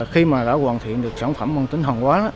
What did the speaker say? khi mà đã hoàn thiện được sản phẩm môn tính hòn quả